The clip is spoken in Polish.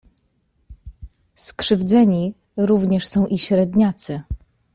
"Skrzywdzeni również są i średniacy."